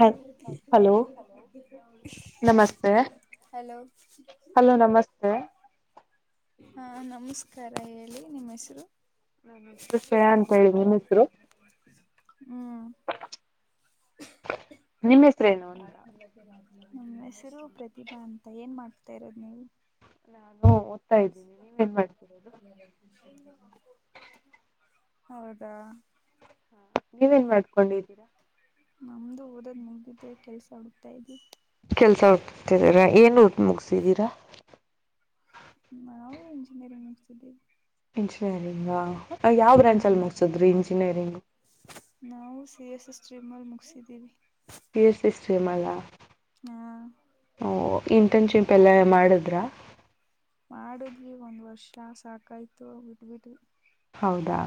ಹ ಹಲೋ ನಮಸ್ತೆ hello hello hello ನಮಸ್ತೆ ಹಾ ನಮಸ್ಕಾರ ಹೇಳಿ ನಿಮ್ಮ್ ಹೆಸರು ನನ್ನ ಹೆಸರು ಶ್ರೇಯಾ ಅಂತ ಹೇಳಿ ನಿಮ್ ಹೆಸರು ಹ್ಮ್ ನಿಮ್ ಹೆಸರೇನು ಅಂತ ನಮ್ಮ ಹೆಸರು ಪ್ರತಿಭಾ ಅಂತ ಏನ್ ಮಾಡ್ತಾ ಇರೋದು ನೀವು ಹ ಹೌದಾ ನೀವೇನ್ ಮಾಡ್ಕೊಂಡಿದೀರಿ ನಮ್ದು ಊರದ್ ಮುಗ್ದಿದೆ ಕೆಲ್ಸ ಹುಕ್ತಾ ಇದ್ ಕೆಲ್ಸ ಉತಿದರಾ ಏನ್ ಮುಗಸಿದೀರಾ ನಾವು ಇಂಜಿನಿಯರಿಂಗ್ ಮಾಡತಿದ್ದೀವಿ ಇಂಜಿನಿಯರಿಂಗ ಯಾವ ಹಾ ಬ್ರಾಂಚಲ್ಲಿ ಮುಗಸಿದ್ರು ಇಂಜಿನಿಯರಿಂಗ್ ನಾವು ಸಿ ಎಸ್ ಸ್ಟ್ರೀಮ್ಲ್ ಮುಗಿಸಿದ್ದೀವಿ ರ್ಸ್ಷಮಲ್ಲ ಹಾ ಇಂಟರ್ನ್ಶಿಪ್ ಎಲ್ಲ ಮಾಡಿದ್ರ ಮಾಡುದ್ವಿ ಒಂದ್ ವರ್ಷ ಸಾಕಾಯ್ತು ಬಿಟ್ಬಿಟ್ವಿ ಹೌದಾ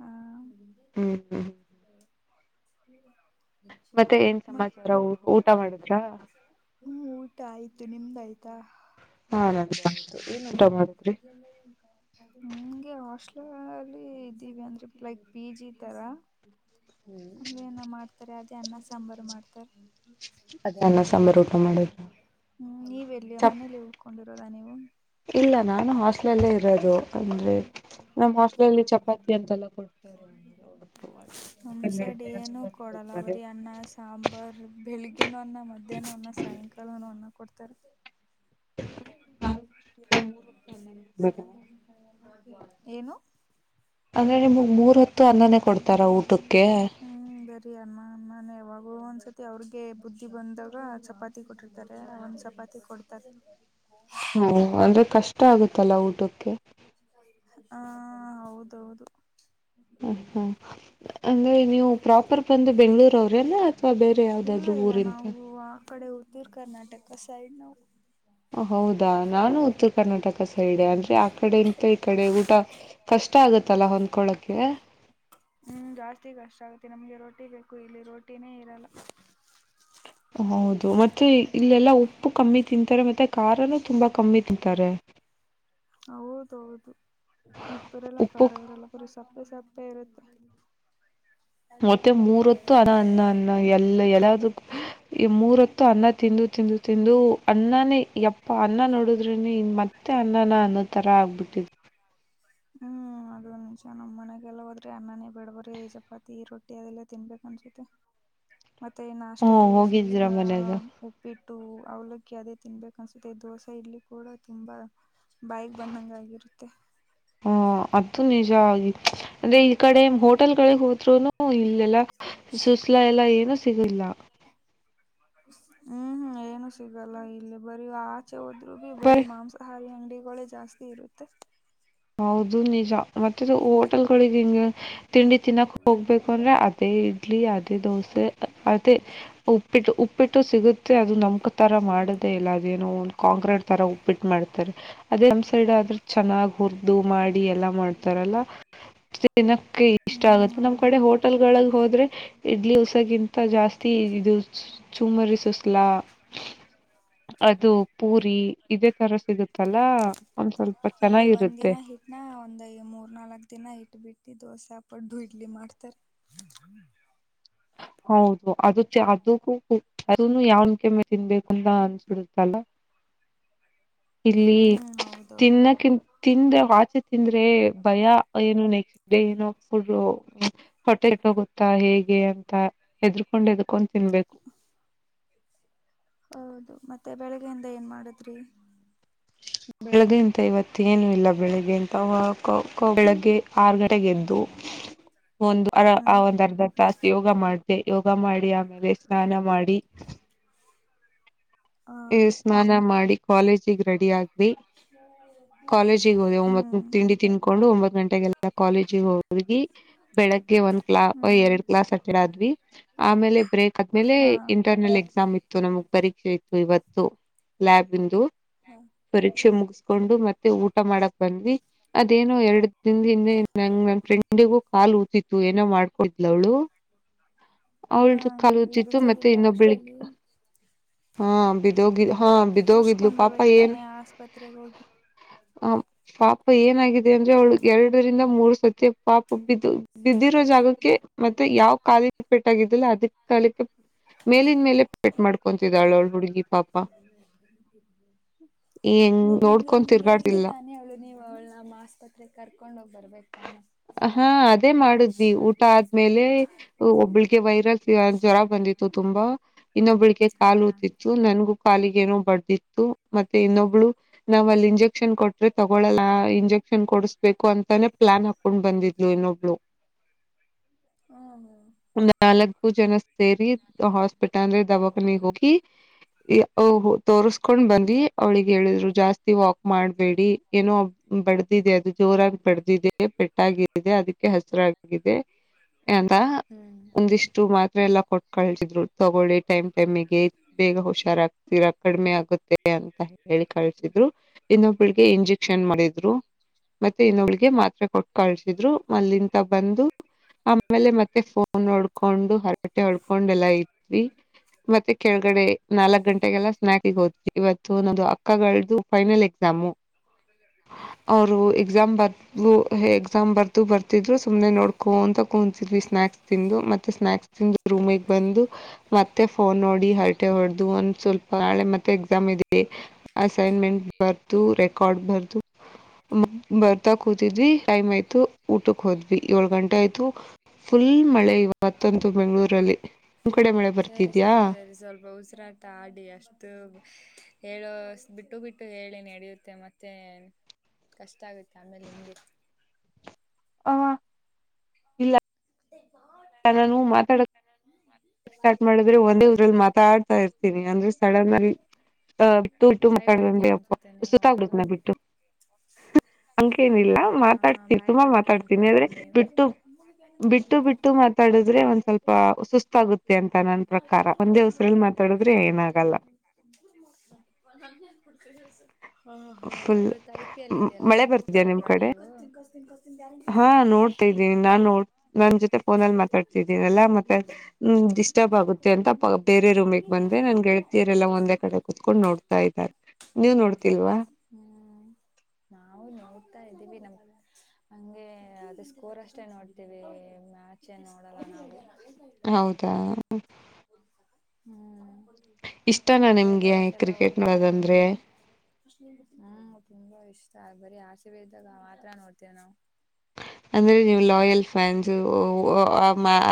ಹಾ ಹ್ಮ್ ಹ್ಮ್ ಬರ [inaudible] ನಿ ಮತ್ತೆ ಏನ್ [inaudible] ಸಮಾಚಾರ ಊಟ ಮಾಡಿದ್ರಾ ಹ್ಮ್ ಊಟ ಆಯ್ತು ನಿಮ್ದಾಯಯ್ತಾ ಹಾ ನಂದಾಯ್ತು ಬಜ ಏನ್ ಊಟ ಮಾಡಿದ್ರಿ ಇ [inaudible] ಅಂಗೆ ಹಾಸ್ಟೆಲಲ್ಲಿದೀವಿ ಅಂದ್ರೆ ಪಿಜಿ ತರ ಅಲ್ಲ ಏನ ಮಾಡ್ತಾರೆ ಅದೇ ಅನ್ನ ಸಾಂಬಾರು ಮಾಡ್ತಾರೆ ಅದೇ ಅನ್ನ ಸಾಂಬಾರ್ ಊಟ ಮಾಡಿದ್ರಾ ಹ್ಮ್ ನೀವ ಎಲ್ಲಿಯ ಚಪ್ ಮನೇಲಿವು ಕೊಂಡಿರೋದಾ ನೀವು ಇಲ್ಲ ನಾನು ಹಾಸ್ಟ್ಲಲ್ಲೇ ಇರೋದು ಅಂದ್ರೆ ಸ ತಂ ನಮ್ಮ್ ಹಾಸ್ಟ್ಲಲ್ಲಿ ಚಪಾತಿ ಅಂತೆಲ್ಲ ಕೊಡ್ತಾರೆ [inaudible] ನಮ್ ಸೈಡ್ ಹನ್ನೆರಡು ಏನು ಚಪಾತಿ ಕೊಡಲ್ಲ ಕೊಡ್ತಾರೆ ಬರಿ ಅನ್ನ ಸಾರ್ ಸಾಂಬಾರ್ ಬೆಳಿಗ್ಗೆನ ಅನ್ನ ಮಧ್ಯಾಹ್ನ ಅನ್ನ ಸಾಯಂಕಾಲನ ಅನ್ನ ಕೊಡ್ತಾರೆ [inaudible] ಏನು ಅಂದ್ರೆ ನಿಮಗ್ ಮೂರ್ ಹೂತ್ತು ಅನ್ನನೇ ಕೊಡ್ತಾರ ಊಟಕ್ಕೆ ಹ್ಮ್ ಬರಿ ಅಮ್ಮ ಅಮ್ಮನೆ ಯಾವಾಗ ಒಂದ್ಸತಿ ಅವ್ರಿಗೆ ಬುದ್ಧಿ ಬಂದಾಗ ಚಪಾತಿ ಚ ಕೊಟ್ಟಿರ್ತಾರೆ ಒಂದ್ ಚಪಾತಿ ಕೊಡ್ತಾರೆ ಹ್ಮ ಅಂದ್ರೆ ಕಷ್ಟ ಆಗುತ್ತಲ್ಲ ಊಟಕ್ಕೆ ಹಾ ಹೌದೌದು ಹ ಹಾ ಅಂದ್ರೆ ನೀವು ಪ್ರಾಪರ್ ಬಂದು ಬೆಂಗಳೂರು ಅವ್ರಿ ನಾ ಇಲ್ಲ ಇಲ್ಲ ನಾವು ಆ ಕಡೆ ಉತ್ತರ ಕರ್ನಾಟಕ ಸೈಡ್ ನ ಹೌದಾ ನಾನು ಉತ್ತರ ಕರ್ನಾಟಕ ಸೈಡ್ ಅಂದ್ರೆ ಆ ಕಡೆ ಇಂತ ಈ ಕಡೆ ಊಟ ಕಷ್ಟ ಆಗತ್ತಲ್ಲ ಹೊಂದ್ಕೊಳಕ್ಕೆೆ ಹ್ಮ್ ಜಾಸ್ತಿ ಕಷ್ಟ ಆಗತ್ತೆ ನಮ್ಗೆ ರೋಟಿ ಬೇಕು ಇಲ್ಲಿ ರೋಟಿನೇ ಇರಲ್ಲ ಹೌದು ಮತ್ತೆ ಇಲ್ಲೆಲ್ಲಾ ಉಪ್ಪು ಕಮ್ಮಿ ತಿಂತಾರೆ ಮತ್ತೆ ಖಾರನುೂ ತುಂಬಾ ಕಮ್ಮಿ ತಿಂತಾರೆ ಹೌದೌದು ಉಪ್ಪಿರೆಲ್ಲ ಉಪ್ಪು ಖಾರ ಇರಲ್ಲ ಬರಿ ಸಪ್ಪೆ ಸಪ್ಪೆ ಇರುತ್ತೆ ಮತ್ತೆ ಮೂರತ್ತು ಅ ಅನ್ನ ಅನ್ನ ಎಲ್ಲ ಎಲ್ಲ ಈ ಮೂರತ್ತು ಅನ್ನ ತಿಂದು ತಿಂದು ತಿಂದು ಅನ್ನನೇ ಯಪ್ಪ ಅನ್ನ ನೋಡುದ್ರ ಮತ್ತೆ ಅನ್ನನ ಅನ್ನೋ ತರ ಆಗ್ಬಿಟ್ಟಿದತ್ತು [unintelligible] ಹ್ಮ್ ಅದ ಒಂದ ನಿಮಷ ನಮ್ಮ್ ಮನೆಗೆಲ್ಲ ಹೋದ್ರಿ ಅನ್ನನೇ ಬಿಡಬ್ರಿ ಚಪಾತಿ ರೊಟ್ಟಿ ಅದೆಲ್ಲ ತಿನ್ಬೇಕಕ್ ಅನ್ಸುತ್ತೆ [unintelligible] ಮತ್ತೆ ಹ್ಮ ನಾಷ್ಟದಲ್ಲೂ ಹೋಗಿದ್ದೀರಾ ಸೂಸ್ಲಾ ಮನೆಗೆ ಉಪ್ಪಿಟ್ಟು ಅವ್ಲಕ್ಕ ಅದೇ ತಿನ್ಬೇಕು ಅನ್ಸುತ್ತೆ ದೋಸೆ ಇಲ್ಲಿ ಕೂಡ ತುಂಬಾ ಬಾಯಿಗೆ ಬಂದಂಗ ಆಗಿರುತ್ತೆ ಹಾ ಅದು ನಿಜ ಆಗಿತ್ತು ಅಂದ್ರೆ ಈ ಕಡೆ ಹೋಟೆಲ್ ಗಳಿಗೆ ಹೋದ್ರುನು ಇಲ್ಲೆಲ್ಲಾ ಸುಸ್ಲ ಎಲ್ಲ ಏನು ಸಿಗಿಲ್ಲ ಹ್ಮ್ ಹ್ಮ್ ಏನು ಸಿಗಲ್ಲ ಇಲ್ಲಿ ಬರಿ ಆಚೆ ಹೋದ್ರು ಬಿ ಬರೀ ಮಾಂಸ ಆಹಾರಿ ಹಂಡಿಗಳೇ ಜಾಸ್ತಿ ಇರುತ್ತೆ ಹೌದು ನಿಜ ಮತ್ತೆದು ಹೋಟೆಲ್ಗಳಿಗೆ ಹಿಂಗ ತಿಂಡಿ ತಿನ್ನಕ್ ಹೋಗ್ಬೇಕು ಅಂದ್ರೆ ಅದೇ ಇಡ್ಲಿ ಅದೇ ದೋಸೆ ಅದೇ ಉಪ್ಪಿಟ್ಟು ಉಪ್ಪಿಟ್ಟು ಸಿಗುತ್ತೆ ಅದು ನಮ್ ತರ ಮಾಡೋದೇ ಇಲ್ಲ ಅದೇನೋ ಒಂದು ಕಾಂಕ್ರೀಟ್ ತರ ಉಪ್ಪಿಟ್ಟ ಮಾಡ್ತಾರೆ ಅದೇ ನಮ್ ಸೈಡ್ ಆದ್ರೆ ಚೆನ್ನಾಗ ಹುರ್ದು ಮಾಡಿ ಎಲ್ಲ ಮಾಡ್ತಾರಲ್ಲ ದಿನಕ್ಕೆ ಇಷ್ಟ ಹ್ಮ್ ಆಗುತ್ತೆ ನಮ್ ಕಡೆ ಹೌದೌದು ಹೋಟೆಲ್ ಗಳಲ್ ಹೋದ್ರೆ ಇಡ್ಲಿ ಹೊಸಕ್ಕಿಂತ ಜಾಸ್ತಿ ಇದು ಚುಮರಿ ಸುಸಲಾ ಅದು ಪೂರಿ ಇದೇ ತರ ಸಿಗುತ್ತಲ್ಲ ಒಂದ್ ಸ್ವಲ್ಪ ಇಲ್ಲಿ ಒಂದ್ ಚೆನ್ನಾಗಿರುತ್ತೆ ದಿನ ಹಿಟ್ ನ ಒಂದ್ ಮೂರ್ ನಾಲ್ಕ್ ದಿನ ಬಿಟ್ಟು ದೋಸ ಪಡ್ಡು ಇಡ್ಲಿ ಮಾಡ್ತಾರೆ ಹೌದು ಅದು ಅದಕ್ಕೂ ಅದ ಯಾವನ್ ಕೆಮ್ಮೆ ತಿನ್ಬೇಕು ಅಂತ ಅನ್ಸ್ಬಿಡುತೇ ಅಲ್ಲ ಹ್ಮ್ ಹೌದೌದು ತಿನ್ನಕಿಂತ ತಿಂದ್ರೆ ವಾಚೆ ತಿಂದ್ರೆ ಭಯ ಏನು ನೆಕ್ಸ್ಟ್ ಏನೋ ಫುಡ್ ಹೊಟ್ಟೆಗೆ ಹೋಗುತ್ತಾ ಹೇಗೆ ಹೆದರಿಕೊಂಡು ಹೆದರಿಕೊಂಡು ತಿನ್ಬೇಕು ಹೌದು ಮತ್ತೆ ಬೆಳಿಗ್ಗೆಯಿಂದ ಏನ್ ಮಾಡುದ್ರಿ ಬೆಳಗ್ಗೆ ಎಂತ ಇವತ್ತು ಏನು ಇಲ್ಲ ಬೆಳಿಗ್ಗೆ ಅಂತ ಬೆಳಗ್ಗೆ ಆರು ಗಂಟೆಗೆ ಗೆದ್ದು ಒಂದು ಹ್ಮ್ ಒಂದ್ ಅರ್ಧ ಥಾಸ್ ಯೋಗ ಮಾಡಿ ಯೋಗ ಮಾಡಿ ಆಮೇಲೆ ಸ್ನಾನ ಮಾಡಿ ಹ ಏ ಸ್ನಾನ ಮಾಡಿ ಕಾಲೇಜಿಗೆ ರೆಡಿ ಆಗಿ ಕಾಲೇಜ್ ಹ್ಮ್ [unintelligible] ತಿಂಡಿ ತಿನ್ಕೊಂಡು ಒಂಬತ್ ಗಂಟೆಗೆಲ್ಲ ಕಾಲೇಜಿಗೆ ಹೋಗಿ ಬೆಳಗ್ಗೆ ಒಂದ್ ಕ್ಲಾಸ್ ಹ್ಮ್ ಎರಡ್ ಕ್ಲಾಸ್ ಅಟೆಂಡ್ ಆದ್ವಿ ಆಮೇಲೆ ಬ್ರೇಕ್ ಆದ್ಮೇಲೆ ಹಾ ಇಂಟರ್ನಲ್ ಎಕ್ಸಾಮ್ ಇತ್ತು ನಮಗ್ ಪರೀಕ್ಷೆ ಇತ್ತು ಇವತ್ತು ಲ್ಯಾಬ್ ಇಂದು ಪರೀಕ್ಷೆ ಮುಗಿಸ್ಕೊಂಡು ಮತ್ತೆ ಊಟ ಮಾಡಕ್ ಬಂದ್ವಿ ಅದೇನೋ ಎರಡು ದಿನ ಹಿಂದೆ ನಂಗ ನನ್ ಫ್ರೆಂಡಿಗೂ ಕಾಲ್ [unintelligible] ಏನೋ ಮಾಡ್ಕೊಂಡಿದ್ಲ ಅವ್ಳು ಹಾ ಅವಳ್ದು ಕಾಲು ಇಲ್ಲಿ ಉದಿತ್ತು ಮತ್ತೆ ಬಿದ್ದೋಗಿಲ್ಲ ಇನ್ನೊಬ್ಳಿಗ್ ಹಾಸ್ಟ್ಲಲ್ಲಿ ಹಾ ಬಿದೋಗಿದ್ಲು ತೋರ್ಸ್ಕೊಂಡ್ ಪಾಪ ಬರ್ಬೇಕಕ್ ಏನ್ ತಾನೆ ಆಸ್ಪತ್ರೆಗೆ ಹೋಗಿ ಹ ಪಾಪ ಏನಾಗಿದೆ ಅಂದ್ರೆ ಅವಳು ಎರಡರಿಂದ ಮೂರು ಸತಿ ಪಾಪ ಬಿದ್ದು ಬಿದ್ದಿರೋ ಜಾಗಕ್ಕೆ ಮತ್ತೆ ಯಾವ ಕಾಲಿಗೆ ಪೆಟ್ ಆಗಿದ್ದಲ್ಲ ಅದಕ್ಕೆ ಕಾಲಕ್ಕೆ ಮೇಲಿನ ಮೇಲೆ ಪೇಟ್ ಮಾಡ್ಕೊತಿದ್ಲು [unintelligible] ಹೆಂಗ್ ನೀವ್ ನಿಮ್ಗೆ ನೋಡ್ಕೊಂಡ್ ನಿಮ್ಗೆ ಗೆಳತಿ ತಿರ್ಗಾಡ್ತಿಲ್ಲ ತಾನೆ ಅವಳು ನೀವು ಅವ್ಳನ ಆಸ್ಪತ್ರೆಗೆ ಕರ್ಕೊಂಡ ಹೋಗ್ ಬರ್ಬೇಕ್ ತಾನೆ ಹಾ ಅದೇ ಮಾಡುದ್ವಿ ಊಟ ಆದ್ಮೇಲೆ ಒಬ್ಬಳಿಗೆ ವೈರಲ್ ಜ್ವರ ಬಂದಿತ್ತು ತುಂಬಾ ಇನ್ನೊಬ್ಬಳಿಗೆ ಹಾ ಕಾಲೂತಿತ್ತು ನನ್ಗೂ ಕಾಲಿಗ ಏನೋ ಬಡಿತ್ತು ಮತ್ತೆ ಇನ್ನೊಬ್ಳು ನಾವ್ ಅಲ್ಲಿ ಇಂಜೆಕ್ಷನ್ ಕೊಟ್ರೆ ತಗೊಳಲ್ಲ ಇಂಜೆಕ್ಷನ್ ಕೊಡಸ್ಬೇಕು ಅಂತನೆ ಪ್ಲಾನ್ ಹಾಕ್ ಕೊಂಡ್ ಬಂದಿದ್ಲು ಇನ್ನೊಬ್ಳ ಹಾ ಹಾ ಒಂದ್ ನಾಲ್ಕು ಜನ ಸೇರಿ ಹಾಸ್ಪಿಟಲ್ ಅಂದ್ರೆ ದವಾಖಾನಗೆ ಹೋಗಿ ತೋರಿಸ್ಕೊಂಡ್ ಬಂದಿ ಅವ್ಳಿಗೆ ಹೇಳಿದ್ರು ಜಾಸ್ತಿ ವಾಕ್ ಮಾಡಬೇಡಿ ಏನೋ ಬದಡಿದೆ ಅದು ಜೋರ ಪಡೆದಿದೆ ಪೆಟ್ಟಾಗಿದೆ ಅದಕ್ಕೆ ಹಸಿರಾಗಿದೆ ಅಂತ ಹ್ಮ್ ಒಂದಿಷ್ಟು ಮಾತ್ರೆ ಎಲ್ಲ ಕಳ್ಸಿದ್ರು ತಗೊಳ್ಳಿ ಟೈಮ್ ಟೈಮಿಗೆ ಬೇಗ ಹುಷಾರಾಗ್ರ್ತೀರಾ ಕಡಿಮೆ ಆಗುತ್ತೆ ಅಂತ ಹೇಳಿ ಕಳ್ಸಿದ್ರು ಇನ್ನೊಬ್ಬಳಿಗೆ ಇಂಜೆಕ್ಷನ್ ಮಾಡಿದ್ರು ಮತ್ತೆ ಇನ್ನೊಬ್ಳಿಗೆ ಮಾತ್ರೆ ಕೊಟ್ಟ ಕಳ್ಸಿದ್ರು ಮಲ್ಲಿಂತ ಬಂದು‌ ಆಮೇಲೆ ಮತ್ತೆ ಫೋನ್ ನಡ್ಕೊಂಡು ಹೊರಟೆ ಹೊಡ್ಕೊಂಡ ಎಲ್ಲಾ ಇದತ್ವಿ. ಮತ್ತೆ ಕೆಳಗಡೆ ನಾಲ್ಕಕ್ ಗಂಟೆಗೆಲ್ಲಾ ಸ್ನಾಕ್ಗೆ ಹೋದ್ವಿ ನದು ಅಕ್ಕಗಳ್ದು ಫೈನಲ್ ಎಕ್ಸಾಮು. ಅವರು ಎಕ್ಸಾಮ್ ಆ ಬರ್ದು ಎಕ್ಸಾಮ್ ಬರ್ದು ಬರ್ತಿದ್ರು [inaudible] ಸುಮ್ನೆ ನೋಡ್ಕೋ ಅಂತ ಕೂತಿದ್ವಿ ಸ್ನಾಯಕ್ಸ್ ತಿಂದು ಮತ್ತೆ ಸ್ನಾಯಕ್ಸ್ ತಿಂದು ರೂಮಿಗೆ ಬಂದು ಮತ್ತ. ಮತ್ತೆ ಫೋನ್ ನೋಡಿ ಹರಟೆ ಹೊಡೆದು ಒಂದ ಸ್ವಲ್ಪ ಹಾಳೆ ಮತ್ತೆ ಎಕ್ಸಾಮ್ ಇದೆ. ಅಸೈನ್ಮೆಂಟ್ ಬರ್ದು ರೆಕಾರ್ಡ್ ಬರ್ದು. ಬರ್ತಾ ಕೂತಿದ್ವಿ ಟೈಮ್ ಆಯ್ತು ಊಟಕ್ಕೆ ಹೋದ್ವಿ ಏಳ್ ಗಂಟೆ ಆಯ್ತು. ಫುಲ್ ಮಳೆ ಇವತ್ತೊಂತು ಬೆಂಗಳೂರಲ್ಲಿ ನಿ ಕಡೆ ಮಳೆ ಬರ್ತದೆ ಸರಿ ಸರಿ ಸರಿ ಸ್ವಲ್ಪ ಉಸಿರಾತ [unintelligible] ತಾಡಿ ಅಷ್ಟು ಹೇಳೋ ಬಿಟ್ಟು ಬಿಟ್ಟು ಹೇಳಿ ನಡೆಯುತ್ತೆ ಮತ್ತೆ ಕಷ್ಟ ಆಗುತ್ತೆ ಆಮೇಲೆ ನಿಮ್ಗೆ ಆ [inaudible] ಗಾ [inaudible] ಿದ್ರೆ ನಾನು ಮಾತಾಡಕ್ ಸ್ಟಾರ್ಟ್ ಮಾಡಿದ್ರೆ ಒಂದೇ ಊರಲ್ಲಿ ಮಾತಾಡ್ತಾ ಒಂದು [unintelligible] ಅಂದ್ರೆ ಸಡನ್ ಅಲ್ಲಿ [unintelligible] ಬಿಟ್ಟುಟು [unintelligible] ಬಾಯಿ ಮಾತಾ ಬಡಿಕೆ ಅಪ್ಪ ಅನ್ಸುತ್ತೆ ನೀವು ಸುತ್ತ ಹೌದಲ್ಲ ಆಡತ್ನ ಬಿಟ್ಟು ಅಂಕೇನಿಲ್ಲ ಮಾತಾಡ್ತೀನಿ ತುಂಬಾ ಮಾತಾಡ್ತೀನಿ ಆದ್ರೆ [unintelligible] ಜ [inaudible] [inaudible] ಬಿಟ್ಟು ಬಿಟ್ಟು ಮಾತಾಡಿದ್ರೆ ಒಂದ್ ಸ್ವಲ್ಪ ಸುಸ್ತಾಗುತ್ತೆ ಅಂತ ನನ್ ಪ್ರಕಾರ ಒಂದೇ ಉಸರಲ್ಲಿ ಮಾತಾಡಿದ್ರೆ ಏನಾಗಲ್ಲ ನ ಪುಡ್ಕಸ [inaudible] ಹಾ- ಹಾ ಫುಲ್ ಇವತ್ ಐ ಪಿ ಅಲ್ಲಿ ಇದ ಅಲ್ವಾ ಮಳೆ ನೋಡ್ತಾ ಬರ್ತಿದ್ಯಾ ನಿಮ್ ಕಡೆ ಇಲ್ವಾನೇ ನೀವು. ಹಾ -ನೋಡ್ತಾ ಇದಿದ್ದೀನಿ ನಾನ್- ನೋ ನನ್ ಜೊತೆ ಫೋನಲ್ಲಿ ಮಾತಾಡ್ತಿದ್ದೀನಲ್ಲಾ ಮತ್ತೆ ಹ ಡಿಸ್ಟರ್ಬ್ ಆಗುತ್ತೆ ಅಂತ. ಬೇರೆ ರೂಮಿಗೆ ಬಂದೆ ನನ್ ಗೆಳತಿಯರೆಲ್ಲಾ ಒಂದೇ ಕಡೆ ಕುೂತ್ಕೊಂಡು ನೋಡ್ತಾ ಇದ್ದಾರೆ. ನೀವು ನೋಡ್ತಿಲ್ವಾ. ಹ್ಮ್ -ನಾವು ನೋಡ್ತಾ ಇದ್ದೀವಿ ನಮ್ ಹಂಗೆ ಅದ ಸ್ಕೋರ್ ಅಷ್ಟ. ಅಷ್ಟೆ ನೋಡ್ತೀವಿ ಮ್ಯಾಚೇ ನೋಡಲ್ಲ ನಾವು. ಹೌದಾ ಹ್ಮ್- ಇಷ್ಟನಾ ಅದೇ ನಿಮ್ಗೆ ಪ್ರವಾಸ ಎಲ್ಲ ಕ್ರಿಕೆಟ್ ಹೋಗಿದ್ರೆ- ನೋಡೋದಂದ್ರೆ ಹ್ಮ್- ಹ್ಮ್ -ತುಂಬಾ ಇಷ್ಟ ಬರೀ ಆಸವೆ ಇದ್ದಾಗ ಮಾತ್ರ ನೋಡ್ತೇವೆ ನಾವು. ಅಂದ್ರೆ ನೀವು ಲಾಯಲ್ ಫ್ಯಾನ್ಸ್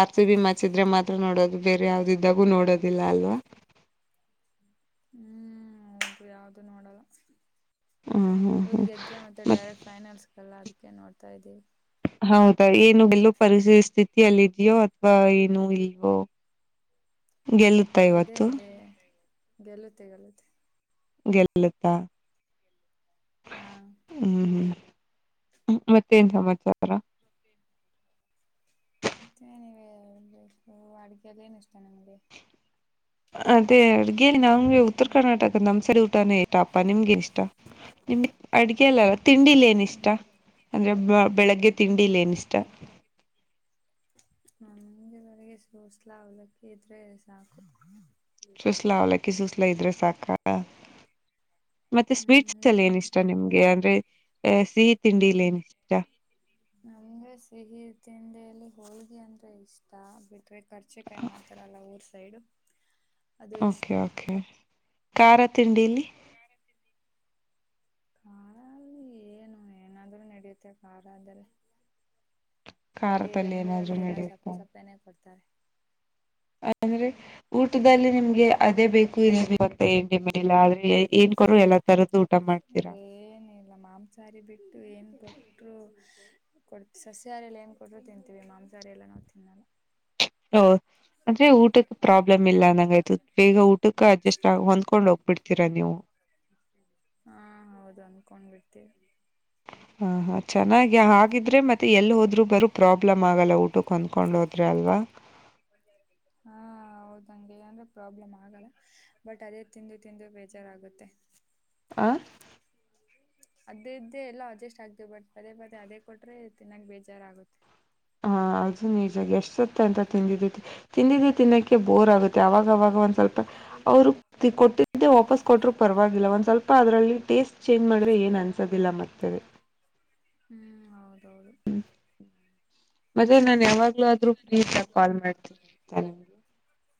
ಆರ್ತಿ ಬಿ ಮಚಿದ್ರ ಮಾತ್ರ ನೋಡೋದು. ಬೇರೆ ಯಾವ್ದಿದ್ದಾಗೂ ನೋಡೋದಿಲ್ಲ ಅಲ್ವಾ. ಹ್ಮ್ -ಒ- ಯಾವ್ದು ನೋಡಲ್ಲ ಹ್ಮ್ ಹ್ಮ್ ಇವದ್ ಹ್ಮ್ ಗೆದ್ರೆ ಮತ್ತೆ. ಮತ್ ಡೈರೆಕ್ಟ್ ಫೈನಲ್ಸ್ಲ್ಲ ಅದಕ್ಕೆ ನೋಡ್ತಾ ಇದವಿ. ಹೌದಾ ಏನು ಬೆಲ್ಲೂ ಪರಿರಿಸ್ತಿ ಲ್ಲ- ಇದ್ಯೋ ಅಥವಾ ಏನು [unintelligible] ಇಲ್ವೋ ಗೆಲ್ಲ ಇದೆ ಇದೆ ಗೆಲ್ಲುತ್ತೆ ಗೆಲ್ಲುತ್ತೆ. ತ [inaudible] ಹಾ ಹ್ಮ್ -ಹ್ಮ್ ಮತ್ತೆನ್ ಸಮಾಚಾರ ಮತ್ತ ನೀವಬೇಕು ಅಡುಗೆ ದ್ದು ಏನು ಇಷ್ಟ ನಮಗೆ ಅದೇ ಅಡ್ಗೆ ನಮ್ಗೆ ಉತ್ತರ ಕರ್ನಾಟಕದ ನಮ್ಸಾರಿ ಊಟನೇ- ಟಾ- ನಿಮ್ಗೆ ಇಷ್ಟ. ನಿಮಗ್ ಅಡ್ಗೆ ಎಲ್ಲಲ್ಲ ತಿಂಡಿಲಿ ಏನ ಇಷ್ಟ. ಅಂದ್ರೆ ಬೆಳಗ್ಗೆ ತಿಂಡಿಯಲ್ಲ ಏನಿಷ್ಟ ನಮಗೆವರೆಗೆ ಸೋಸ್ಲ ಅವಲಕ್ಕಿ ಇದ್ರೆ ಸಾಕು ಸುಸ್ಲಾ ಅವ್ಲಕ್ಕಿ ಸುಸ್ಲಾ ಇದ್ರೆ ಸಾಕ ಅದು ಮತ್ತೆ ಹ್ಮ್ ಸ್ವೀಟ್ಸ್ ಅಲ್ಲಿ ನಿಮ್ಗೆ ಏನ ಇಷ್ಟ ನಿಮ್ಗೆ ಅಂದ್ರೆ ಸಿಹಿ ತಿಂಡಿಲಿ ಏನಿಷ್ಟ ನಮ್ಗೆ ಸಿಹಿ ತಿಂಡಲ್ಲಿ ಹೋಳ್ಗಿ ಅಂದ್ರೆ ಇಷ್ಟ ಬಿಟ್ರೆ ಖರ್ಚೆ ಕಾಯಿ ಮಾಡ್ತಾರಲ್ಲ ಊರ್ ಸೈಡು ಅದು ಓಕೆ ಇಷ್ಟ ಓಕೆ ಕ್ಯಾರ ತಿಂಡಿಲ್ಲಿ ಕ್ಯಾರ ತಿಂದಿ ಖಲ್ಲಿ [unintelligible] ಏನು ಏನಾದ್ರೂ ನಡಿಯುತ್ತೆ ಖಾರದರೆ [inaudible] ಬಟ್ ಈ ಏನಾದ್ರು ಬೆಂಗ್ಗಳೂರಲ್ಲಿ ಎಲ್ಲಾ ನಡೆಯುತ್ತ ಸಪ್ಪೆ ಸಪ್ಪೆನೆ ಕೊಡ್ತಾರೆ ಅಂದ್ರೆ ಊಟದಲ್ಲಿ ನಿಮ್ಗೆ ಅದೇ ಬೇಕು ನಿವ್ ಇವತ್ತು [unintelligible] ಆದ್ರೆ ಏನ್ ಕೊರು ಎಲ್ಲಾ ತರದ್ದು ಊಟ ಮಾಡ್ತೀರಾ ಏ ನೀ ಮಾಂಸಾಹಾರಿ ಬಿಟ್ಟು ಏನ್ ಕೊಟ್ರು ಕೊಡ್ ಸಸ್ಯಾರ ಎಲ್ಲ ಏನ್ ಕೊಟ್ಟರು ತಿಂತೀವಿ ಮಾಂಸಹಾರಿಯಲ್ಲ ನಾವ್ ತಿನ್ನಲ್ಲ ಹ್ಮ್ ಅಂದ್ರೆ ಊಟಕ್ಕೆ ಪ್ರಾಬ್ಲಮ್ ಇಲ್ಲ ನಂಗ ಆಯ್ತು ಬೇಗ ಊಟಕ್ಕೆ ಅಡ್ಜಸ್ಟ್ ಆಗ ಹೊಂದ್ಕೊಂಡ್ ಹೋಗ್ಬಿಡ್ತೀರಾ ನೀವು ಹಾ ಹೌದು ಹೊನ್ಕೊಂಡ್ ಬಿಡ್ತೀನಿ ಹಾಂ ಹಾಂ ಚೆನ್ನಾಗಿ ಹಾಗಿದ್ರರೆ ಮತ್ತೆ ಎಲ್ಲೂ ಹೋದರೂ ಬರ ಪ್ರಾಬ್ಲಮ್ ಆಗಲ್ಲ ಊಟಕ್ಕೆ ಹೊಂದ್ಕೊಂಡು ಹೋದರೆ ಅಲ್ವಾ [inaudible] ಹಾ ಹೌದಂಗೆ ಅಂದ್ರೆ ಪ್ರಾಬ್ಲಮ್ ಆಗಲ್ಲ ಬಟ್ ಅದೇ ತಿಂದು ತಿಂದು ಬೇಜಾರಾಗುತ್ತೆ ಅಂ ಅದೇ ಇದ್ದೇ ಎಲ್ಲಾ ಅಡ್ಜಸ್ಟ್ ಆಗ್ತೇ ಬಟ್ ಪದೇ ಪದೇ ಅದೇ ಕೊಟ್ರೆ ತಿನ್ನಾಕ್ ಬೇಜಾರ ಆಗುತ್ತೆ ಹಾ ಅದು ನಿಜ ಎಷ್ಟತ್ತೆ ಅಂತ ತಿಂದಿದ ತಿಂದಿದು ತಿನ್ನೋಕ್ಕೆ ಬೋರ್ ಆಗುತ್ತೆ ಯಾವಾಗಾವಾಗ ಒಂದ್ ಸ್ವಲ್ಪ ಅವರು ಕೊಟ್ಟಿದ್ದೆ ವಾಪಸ್ ಕೊಟ್ಟರು ಪರವಾಗಿಲ್ಲ ಒಂದ್ ಸ್ವಲ್ಪ ಅದರಲ್ಲಿ ಟೇಸ್ಟ್ ಚೇಂಜ್ ಮಾಡಿದ್ರೆ ಏನ್ ಅನ್ಸ್ ತಗಿಲ್ಲ ಮತ್ತೆ ಹ್ಮ್ ಹೌದೌದು ಮತ್ತೆ ನಾನ್ ಯಾವಾಗ್ಲೂ ಆದ್ರೂ ಫ್ರೀ ಕಾಲ್ ಮಾಡ್ತೀನಿ ಅಂತ ನಿಮ್ಗೆ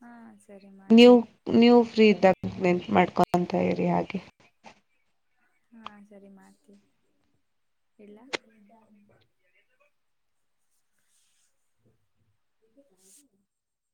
ಹಾ ಸರಿ ಮಾಡಿ ನೀವು ಮಾಡಿ ನೀವು ಫ್ರೀ ಇದ್ದಾಗ ನೆನಪ್ ಮಾಡ್ಕೊಂತ ಇರಿ ಹಾಗೆ [inaudible] ಹಾ ಸರಿ ಮಾಡ್ತಿನಿ ಇಡ್ಲ [inaudible]